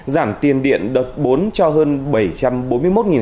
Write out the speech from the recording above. giảm tiền điện đợt bốn cho hơn